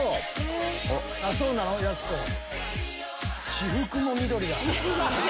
私服も緑や！